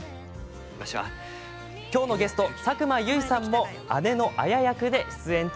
今日のゲスト、佐久間由衣さんも姉の綾役で出演中。